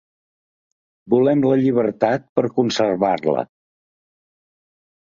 Volem la llibertat per conservar-la.